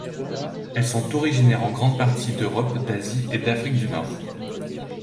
Elles sont originaires en grande partie d'Europe, d'Asie et d'Afrique du Nord.